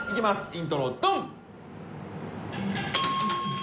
イントロドン！